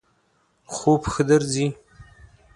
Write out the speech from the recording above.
خوب ښه درځی؟